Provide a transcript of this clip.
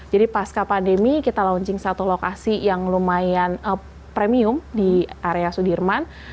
jadi pasca pandemi kita launching satu lokasi yang lumayan premium di area sudirman